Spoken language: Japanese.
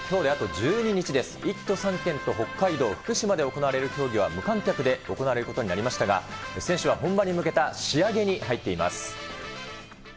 １都３県と北海道、福島で行われる競技は無観客で行われることになりましたが、選手は本番に向けた仕上げに入っています。